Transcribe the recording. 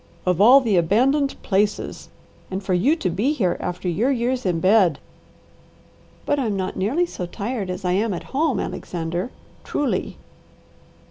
"Of all the abandoned places! And for you to be here, after your years in bed!" "But I'm not nearly so tired as I am at home, Alexander, truly."